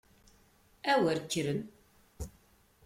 A wer kkren!